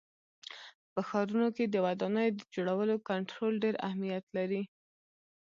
په ښارونو کې د ودانیو د جوړولو کنټرول ډېر اهمیت لري.